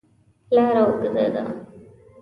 لاره اوږده ده.